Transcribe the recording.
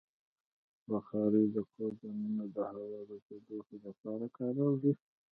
بخاري د کور دننه د هوا د تودوخې لپاره کارېږي.